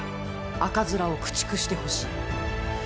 赤面を駆逐してほしい！